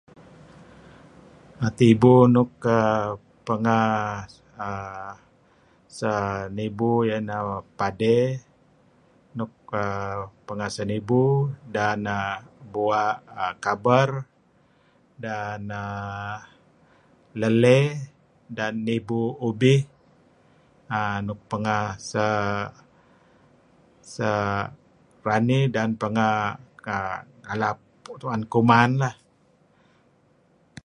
Tibu nuk pengeh [er er] senibu iyeh nah padey nuk err pengeh senibu dan bua' kaber dan aah leley dan nibu ubih err nuk pengah se se ranih dan pengah[err] nalap tu'en kuman lah.